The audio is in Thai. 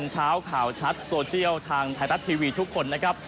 เช้าข่าวชัดโซเชียลทางไทยรัฐทีวีทุกคนนะครับ